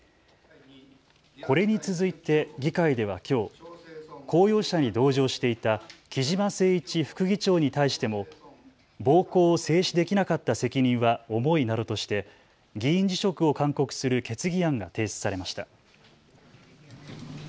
これに続いて議会ではきょう、公用車に同乗していた木嶋晴一副議長に対しても暴行を制止できなかった責任は重いなどとして議員辞職を勧告する決議案が提出されました。